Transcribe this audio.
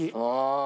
ああ。